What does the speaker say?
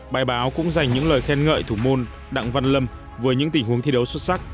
bài báo cũng dành những lời khen ngợi thủ môn đặng văn lâm với những tình huống thi đấu xuất sắc